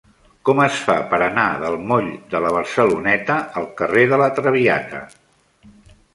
Com es fa per anar del moll de la Barceloneta al carrer de La Traviata?